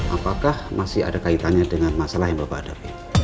apakah masih ada kaitannya dengan masalah yang bapak hadapi